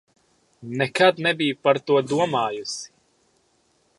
Nekad nebiju par to domājusi!